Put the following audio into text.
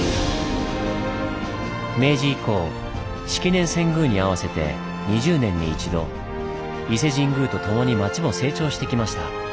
明治以降式年遷宮に合わせて２０年に一度伊勢神宮とともに町も成長してきました。